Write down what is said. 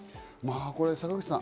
坂口さん